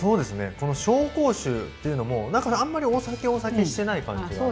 この紹興酒っていうのも何かあんまりお酒お酒してない感じがして。